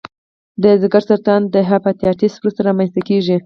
د ځګر سرطان د هپاتایتس وروسته رامنځته کېږي.